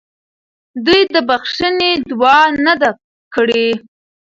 دوی د بخښنې دعا نه ده کړې.